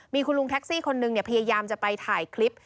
มีคุณลุงแท็กซี่คนนึงพยายามจะไปถ่ายคลิป